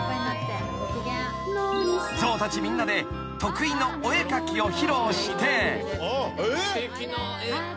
［象たちみんなで得意のお絵描きを披露して］